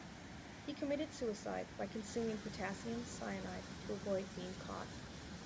He committed suicide by consuming potassium cyanide to avoid being caught.